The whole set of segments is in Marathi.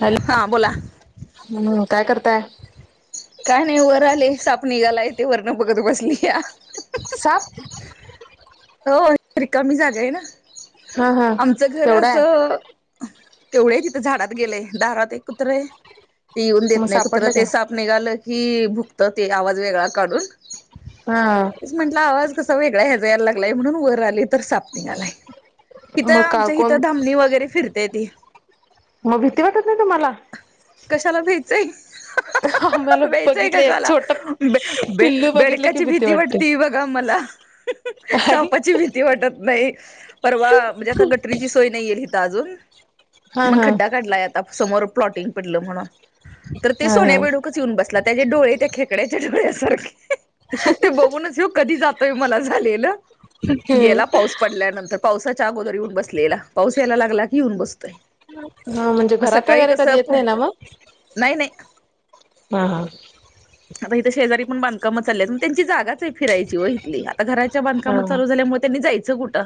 हॅलो हां बोला, हम्म काय करताय? काय नाही, वर आलेय साप निघालाय तेे वरणं बघत बसली या. साप. हो रिकामी जागाय ना हा हा आमचं घर केवढा आहे असं तेवढं त झाडात गेलेय, दारात एक कुत्रे ते येऊन मग देत नाही, कुत्र सापडलं ते काय की भुकत ते आवाज वेगळा काढून. हा तेच म्हंटलं आवाज कसा वेगळा ह्याचा यायला लागलाय म्हणून वर आली त साप निंघालाय. इथं मग का आमच्या इथं कोण धामणी वगैरे फिरते ती. मग भीती वाटत नाही तुम्हाला? कशाला भ्यायचंय आम्हाला भ्यायचंय बघितलं एक कशाला, छोट बे बे पिल्लू बघितलं की बेडकाची भीती वाटते वाटती बघा मला. आई सापाची भीती वाटत नाही परवा म्हणजे आता गटरीची सोय नाहीये हिथ अजून. हा मग हा खड्डा काढलाय आता, समोर प्लॉटिंग पडलं म्हणून, तर ते हा सोन्या हा बेडूक त्याचे खेकड्याच्या डोळ्यासारखे बघूनच ह्यो कधी जातो मला झालेलं गेला पाऊस पडल्यानंतर पाउसा च्या अगोदर येऊन बसलेला, पाऊस यायला लागला की येऊन बसतोय. हा म्हणजे मग घरात सकाळी वगैरे कधी कसं येत नाही ना म. नाही नाही हा हा. आता इथं शेजारीण बांधकाम चालेत, पण त्यांची जागाचे फिरायची व इथली, हात आता घराच्या हा बांधकामात चालू झाल्यामुळे त्यांनी जायचं कुठं?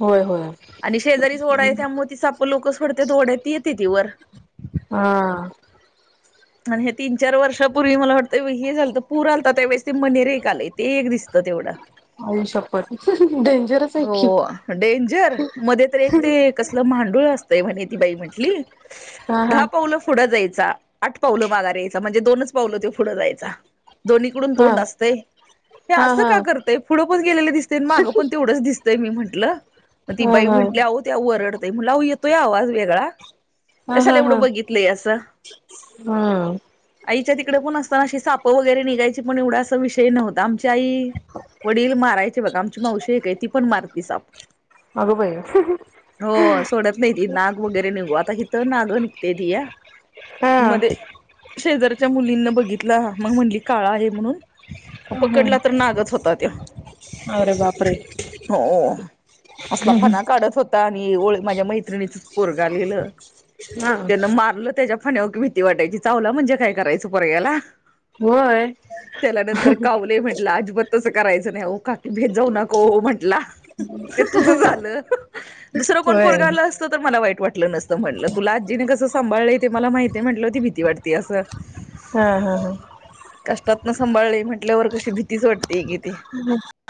होय होय आणि शेजारी ओढा य त्यामुळे ति साप लोक सोडत्यात ओढ्यात ती येतेती वर. हा. आणि हे तीन चार वर्षापूर्वी मला वाटतं, हे झालंत पूर आलता त्यावेळेस ते मनेरे एक आले, ते एक दिसत तेवढ. आई शपथ डेंजरच आहे की हो डेंजर मध्ये तर एक ते कसलं मांड डूळ असतेय म्हणे ती बाई म्हटली हा हा दहा पावलं पुड जायचा आठ पावलं मागार यायचा म्हणजे दोनच पावलं त्यो पुढं जायचा. दोन्हीकडून हा तोंड असतय हे हा असं हा का करतय पुढं पण गेलेले दिसत मागं पण तेवढंच दिसत. मी म्हंटलं, मग ती हा बाई हा म्हटली आव ते वरडतय, आओ म्हणल येतोया आवाज वेगळा हा कशाला हा एवढं हा बघितलंय असं. [inaudible] आईच्या तिकडे पण असताना अशी साप वगैरे निघायची, पण एवढा अस विषय नव्हता, आमची आई वडील मारायचे बघा. आमची मावशी एके ती पण मारती साप. अगं बाई हो सोडत नाही त नाग वगैरे निघू आ आता इिथं नागं निघते िया हा मध्ये शेजारच्या मुलींना बघितला मग म्हणली काळा आहे म्हणून ह पकडला तर नागच होता त. अरे बापरे हो असला पणा काढत होता. ओ मा्या मैणीर हा ल मार त्या फा ी भीती वाटायची चावला म्हणजे काय करायचं परय्याला होय त्याला नंतर कावले म्हंटलं अजबत तस करायचं नाही काकी भेद जाऊ नको म्हटला. ते तुझं झालं दुसरं कोण होय पोरगालं असत तर मला वाईट वाटत. टलं नसतं म्हटलं तुला आजीने कस सांभाळलंय ते मला माहिती म्हटलं ती भीती वाटतेती असं. हा हा हा कष्टात न सांभाळले म्हंटल्यावर कशी भीतीच वाटतेी.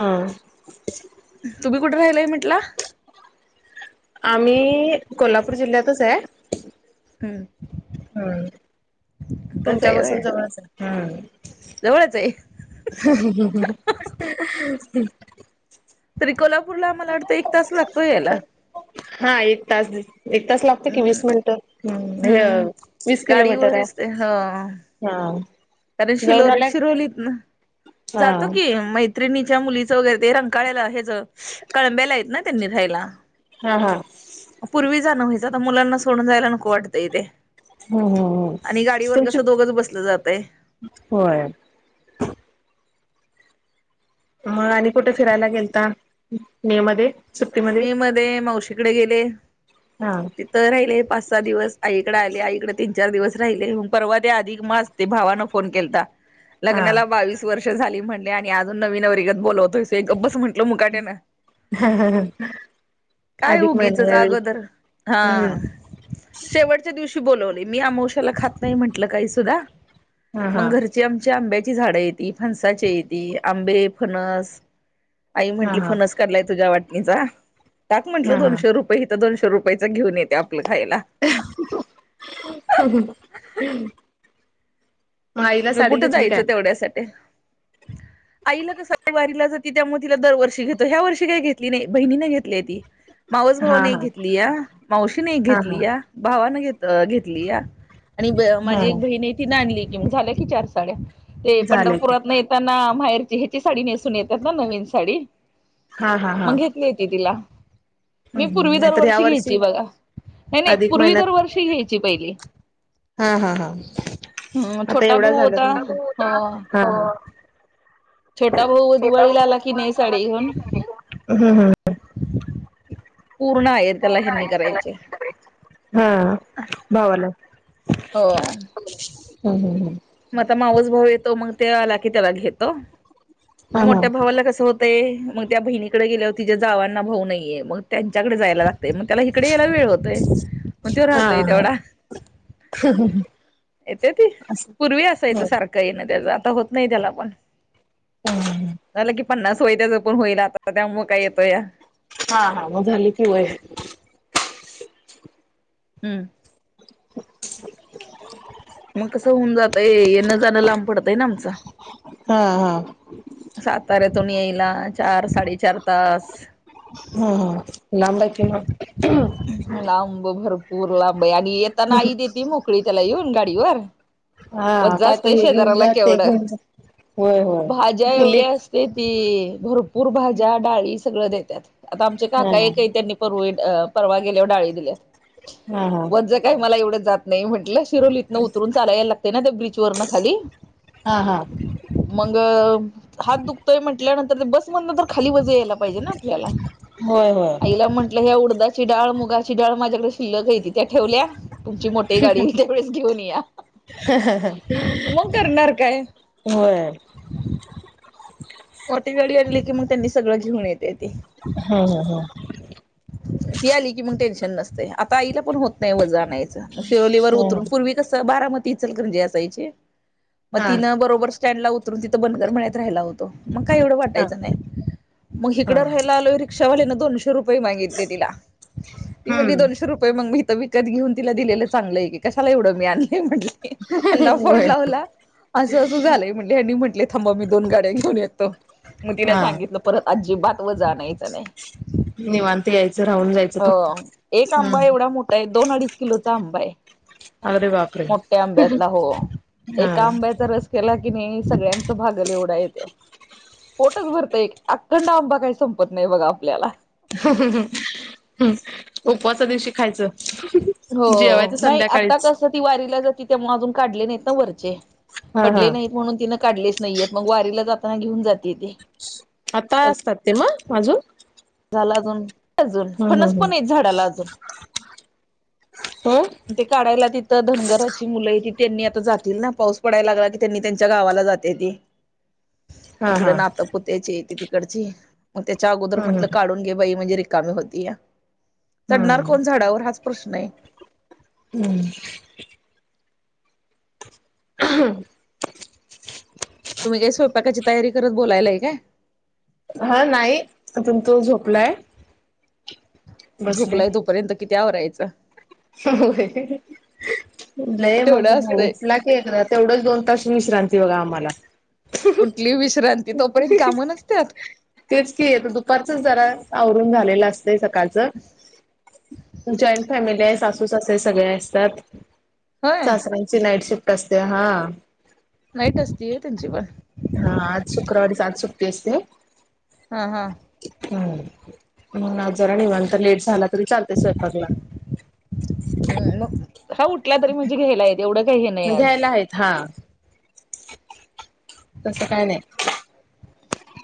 हा. तुम्ही कुठे राहिलय म्हंटला. आम्ही कोल्हापूर जिल्ह्यातच आहे. हम्. हम्म तच तुमच्या आहे व्हय पाासून जवळ हम्म. जवळच आहे ही ही तरी कोल्हापूरला आम्हाला वाटत एक तास लागतो यायला. हा एक तास एक तास लागते की हम्म वीस मिनिटं हम्म हे वीस किलोमीटर गाडीवर आहे असते ह हा. कारण शिलो जाऊन आलाय शिरोलीतन हा जातो की मैत्रिणीच्या मुलीचं ते रंग कळंब्याला यायचं त्यांनी राहायला हा हा पूर्वी जाण व्हायच आता मुलांना सोडून जायला नको वाटत. हम् हम हम आणि गाडीवर तुमची कसं दोघंच बसलं जातय. होय. मग आणि कुठे फिरायला गेलता मे मध्ये सुट्टीमध्ये मी मध्ये मावशीकडे गेले हा तिथं राहिले पाच सहा दिवस आईकडे आले आईकडे तीन चार दिवस राहिले परवा ते अधिक मास ते भावानं फोन केलता. हा लग्नाला बावीस वर्ष झाली म्हणले आणि अजून नव्या नवरीगत बोलवतेस ये गब्बस म्हनल. निघालो मुकाट्याला हम् काय उगीचच अगोदर हा हम्म शेवटच्या दिवशी बोलवले मी अमोशाला खात नाही म्हटल काही सुद्धा हा मग हा घरचे आमच्या आंब्याच्या ची झाड येती फणसाची येती आंबे फणस आई हा म्हटली हा फणस काढलया तुझ्या वाटणीचा टाक म्हणल हा हा दोनशे रुपये इथ दोन दोनशे रुपयांचा घेऊन येतो [unintelligible] आईला मग साडी कुठे घेतली काय जायचं तेवढ्यासाठी हो ना आईला कसं वारीला जाती त्यामुळे तिला दरवर्षी घेतो ह्या वर्षी काही घेतली नाही बहिणीने घेतली ती. मावस हा भावन एक हा घेतलीया मावशी ने एक हा घेतलीया भावान घ अ घेतलीया. हा माझी हो एक बहिण आहे तिन पण आणली एक साडी मग झाल्या की चार साड्या ते झालंय की पंढरपूरातन येताना. पंढरपूर येताना माहेरची साडी घालून येतात हा हा ना हा असं म्हणतात मी पूर्वी नाहीतर या दरवर्षी वर्षी घ्यायची बघा नाही नाही अधिक पूर्वी महिन्यात दरवर्षी घ्यायची पहिली हा हा हा हम्म आता. छोटा एवढ भाऊ झालं होता हो छोटा भाऊ दिवाळीला आला की नाही साडी घेऊन. हम्म पूर्ण आहेर त्याला ह्यांनी करायचे हा गावाला. हो ह ह ह माझा मावस भाऊ येतो मग ते आला की त्याला घेतो. हम्म मग हा मोठ्या हा भावाला कसं होतय मग त्या बहिणीकडे गेल्या होती तिच्या जावांना भाऊ नाहीये मग त्यांच्याकडे जायला लागलं मग त्याला इकडे यायला वेळ होतोय मग तो राहतोय हा हा तेवढा येते ती असं. पूर्वी नाही हो पन्नास होई त्या जपून होईल आता त्यामुळ काय येतो या. हा हा मग झाली कि वेळ. हमम. मग कसं होऊन जातय येणं जाणं लांब पडतय ना आमच. हा हा. साताऱ्याहून यायला चार साडेचार तास लागतात ते लांब आहे ना ती माहित आहे मला लांब आई येऊ दे की त्याला एकटं मोकळा गाडीवरून हा कायतरी हे घेऊन शेजाऱ्याला जा ते केवढी जागा असली तरी कमीच घेऊन असते जा होय भाज्या होय एवढ्या लेक असते ती. भरपूर भाज्या डाळी सगळ देतात आता आमच्या हा काका एक आहे त्यांनी परवा गेलो डाळी दिल्या हा हा वज काही मला ऐवढ जात नाही म्हटलं. शिरोलीतून उतरून चालायला लागतं ना त्या ब्रीज वरून खाली. हा हा हात दुखतोय म्हटलं तर बस मधून खाली वज यायला लागत. पाहिजे ना आपल्याला होय होय आईला म्हटलं ह्या उडदाची डाळ मुगा डाळ माझ्याकडे शिल्लक आहे त त्या ठेवल्या. तुमची मोठी गाडी त्यावेळेस घेऊन या. मग करणार काय? होय मोठीे गाडी आणली की मग त्यांनी सगळं घेऊन येत. हम् हम हम. ती आली कि मग टेन्शन नसते आता आईला पण होत नाही वज आणायचं. शिरोलीवर हं उतरून पूर्वी कस बारामतीचल म्हणजे असायची म हा तिनं बरोबर. स्टँडला उतर तिं बनर म्हण्यातत राहिला होतो. मग काय एवढं हा वाटायचं नाही मग हा इकडं राहायला आलो रिक्षावाल्याला दोनशे रुपय मागितली तिला ती म्हंली हम्म दोनशे रुपये मग विकत घेऊन तिला दिलेलं चांगलं आहे की कशाला एवढं मी म्हटले्ना फोन होय लावला. असं असं झालंय म्हटले यांनी म्हटले थांबा मी दोन गाड्या घेऊन येतो. मग तिला हा सांगितलं परत अजिबात व जाायचं नाही. निवांत यायचं राहून जायचं अ फक्त एक आंबा हम्म एवढा मोठा आहे दोन अडीच किलोचा आंबा आहे. अरे बापरे मोठ्या आंब्यातला हो हा एका आंब्याचा रस केला. कि नाही सगळ्यांच भागल एवढा येतो. पोटच भरत एक अखंड आंबा काही संपत नाही बघा आपल्याला ् उपवासा दिवशी खायचं. हो जेवायचं नाही आता संध्याकाळीच कसं ती वारीला जाते त्यामुळे अजून काढले नाहीत ना वरचे हा हा पडले नाहीत म्हणून तिनं काढलेच नाहीेत मग वारीला जाताना घेऊन जाते ते माजून झाला अजून अज पणच पण य झाडाला अजून हो ते काढायला ति धनगराची मुलं ती त्यांनी आता जातील ना पाऊस पडाला लागला की त्यांनी त्यांच्या गावाला जाते ती- हा. तिकड हा नातं पुत्याची ती तिकडची मग त्याच्या अगोदर हम्म म्हटलं हम्म काढून घे बाई म्हणजे र. मी होती चणार हम्म कोण झाडावर हाच प्रश्न आहे. हम्. [inaudible] तुम्ही काही स्वयंपाकाची तयारी करत बोलायलाय काय? हा नाही अतून तो झोपलाय. बसले झोपलाय तोपर्यंत किती आवरायचं? [unintelligible] तेवढं असतंय तेवढंच दोन तास विश्रांती बघा आम्हांला. कुठली विषय तेच कि आता दुपारचच जरा आवरून झालेलं असतय सकाळचं जॉईंट फॅमिली आहे सासू- सासरे सगळे असतात होय सासऱ्यांची नाईट शिफ्ट असते हां. नाईट असती होय त्यांचीपण? हा आज शुक्रवारीच आज सुट्टी असते. हां हां. हां आज जरा निवांत लेट झाला तरी चालतय स्वयपाकला. हम्म मग हा उठल्या तरी म्हजे घ्यायलायत एवढं काही हे नाही आज घ्यायला आहेत हा. तसं काय नाही.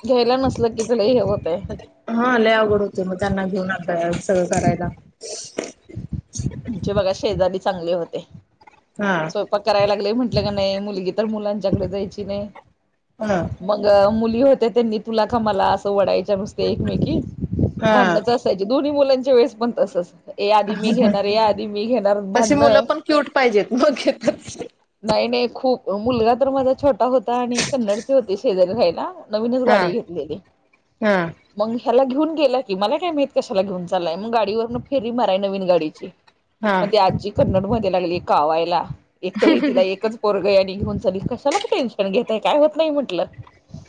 घ्यायला नसलं की तुला हे होत हां लय अवघड होतय मग त्यांना घेऊन आता सगळं करायला. म्हणे बघा शेजारी चांगले होते हा स्वयंपाक करायला लागले म्हण म्हटलं की नाही मुलगी तर मुलांच्याकडे जायची नाही ह मग मुल होत्या त्यांनी तुला का मला अस ओढायच्या नुसत्या एकमेकी हा भांडणच असायची दोन्ही मुलांचे त्यावेळेस पण तसंच ए आधी मी घेणार या आधी मी घेणार तशी भांडण. मुलं पण क्यूट पाहिजेत मग घेतात नाही, नाही खूप मुलगा तर माझा छोटा होता आणि कन्नडचे होतीत शेजारी राहायला नवीनच हा गाडी घेतलेली हा मग ह्याला घेऊन गेला की मला काय माहित कशाला घेऊन चालालय मग गाडीवर मग फेरी माराय नवीन गाडीची. हा मग ते आजी कन्नड मध्ये लागली कावायला. एकतरी तिला एकच पोरग आणि घेऊन चाली कशाला टेनशन घेताय काय होत नाही म्हटलं.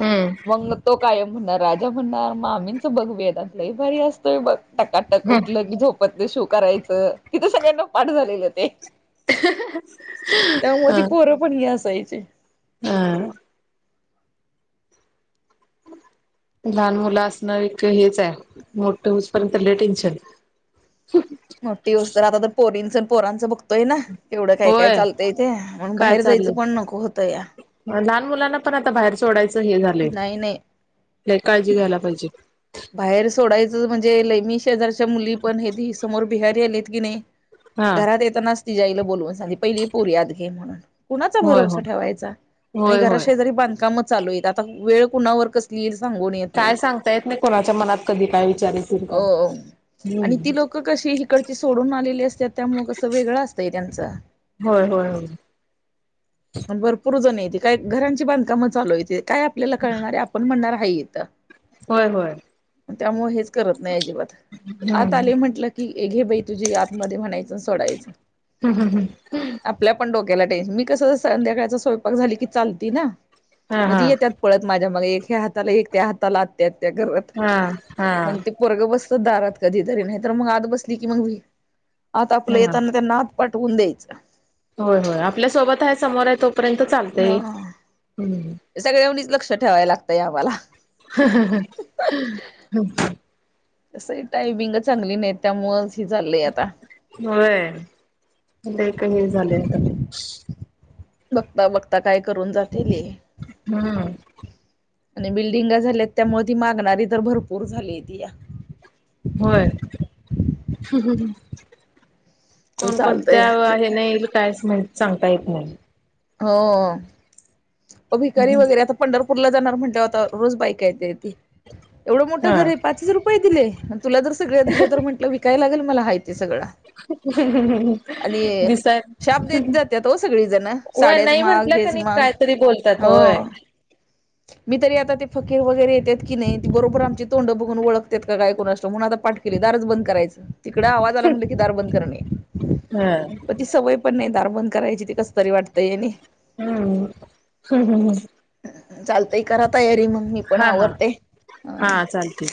हम्म. मग तो कायम म्हणणार राजा म्हणणार मामींच बघ वेदांत लई भारी असतोय बघ. टकाटक ह उठलं की झोपतच शू करायचं तिथं सगळ्यांना पाठ झालेलं ते. त्यामुळे ती पोरं पण लई हसायची. हां. [inaudible] लहान मुलं असणं एक हेच आहे मोठ होऊसपर्यंत लंई टेन्शन. मोठी होउस्तर आता तर पोरींच, पोरांच बघतोय ना. एवढं काय काय होय चालतंय ते आणि काय बाहेर जायचं चाललंय पण नको होतं या. लहान मुलांना पण आता बाहेर सोडायचं हे झालंय नाही नाही लय काळजी घ्यायला पाहिजे. बाहेर सोडायचं म्हणजे लैमी शेजारच्या मुली पण हे ती समोर बिहार आलेत की नाही. हा घरात येतानाच तिच्या आईला बोलवून सांगते पहिली पोरी आत घे म्हणून कुणाचा होय भरोसा होय ठेवायचा. आणि होय होय घराशेजारी बांधकाम चालू आहेत. आता वेळ कुणावर कसली येईल. सांगून येत नाही काय सांगता येत नाही कोणाच्या मनात कधी काय विचार येतील काय हो आणि ती हम्म लोक कशी इकडची सोडून आलेली असतात त्यामुळ कसं वेगळं असतंय त्यांच. होय, होय, होय. भरपूर जण येते काय घरांची बांधकामं चालू हायती काय आपल्याला कळणारे आपण म्हणणार हाय इथं. होय, होय. त्यामुळे हेच करत नाही अजिबात आत हम्म आले म्हटलं की एक घे बाई तुझी आतमध्ये म्हणायचं सोडायचं. हम् हम् हम्. त्याला मी कस संध्याकाळचा स्वयंपाक झाली की चालती ना हा हा मध्ये ती येतात पळत माझ्या या हाताला एक त्या हाताला आत्या [unintelligible] घरात हा हा मग ते पोरग बसत दारात कधीतरी नाही तर मग आत बसली की मग भी आता आपलं हा येताना त्यांना आत. पटवून द्यायचं. होय होय आपल्या सोबत आहे समोर आहे तोपर्यंत चालत हा हम्म. सगळ्यांनीच लक्ष ठेवायला लागतंय आम्हाला तसयंटायमिंग चांगली नाही त्यामुळे. हो क काही झालं आता बघता बघता काय करून जातील ये. हम् आणि बिल्डिंग झाल्यात त्यामुळे ती मागणारी तर भरपूर झालीय ती या होय चालतय कोणकोणत्या हे नाहील काय म्हण सांगता येत नाही व भिकारी वगैरे आता पंढरपूरला जाणार म्हणते आता रोज बाईक येते एवढं मोठं घर आहे हा पाचच रुपये दिले? तुला जर सगळ दिले तर म्हटलं विकाय लागेल मला ह ते सगळं. आणि दिसाय शाप देत जात्यात ओ सगळी जण व साड्याच नाही माग म्हटलं का हेच नाही. माग कायतरी बोलतात हो होय मी तरी आता ते फकीर वगैरे येतेेत की नाही. बरोबर आमची तोंड बघून ळखतात का गयको न असत म्हणून आता पाठ केली दारज बंद करायचं तिकड आवाज आला म्हणलं कदार बंद करणे हा प ती सवय पण नाही दार बंद करायची ती कस तरी वाटतंय हम् ह ह चालतय करा तयारी मग मी पण हा हा आवरते हा चालते